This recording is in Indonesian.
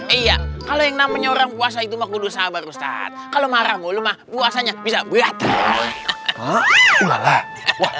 iya kalau yang namanya orang puasa itu maksudnya sabar ustadz kalau marah boleh mah buasanya bisa